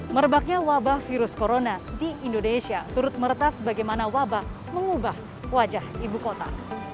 merebaknya wabah virus corona di indonesia turut meretas bagaimana wabah mengubah wajah ibu kota